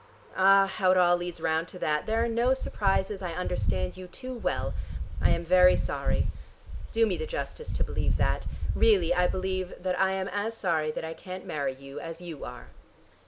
Ah, how it all leads round to that: there are no surprises: I understand you too well. I am very sorry. Do me the justice to believe that. Really I believe that I am as sorry that I can't marry you as you are."